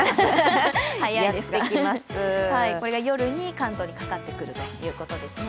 これが夜に関東にかかってくるということですね。